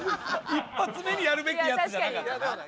一発目にやるべきやつじゃなかったな。